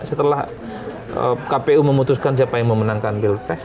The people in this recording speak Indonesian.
setelah kpu memutuskan siapa yang memenangkan pilpres